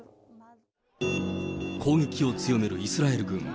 攻撃を強めるイスラエル軍。